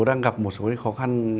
đang gặp một số khó khăn